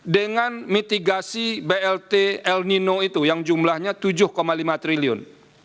dengan mitigasi blt el nino itu yang jumlahnya tujuh lima triliun